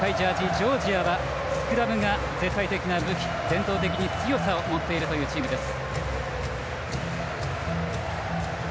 ジョージアはスクラムが絶対的な武器伝統的に強さを持っているというチームです。